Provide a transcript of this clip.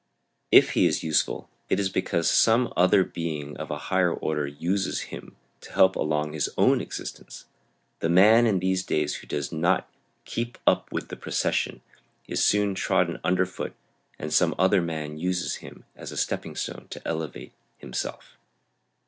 If he is useful it is because some other being of a higher order uses him to help along his own existence. The man in these days who does not "keep up with the procession" is soon trodden under foot and some other man uses him as a stepping stone to elevate himself.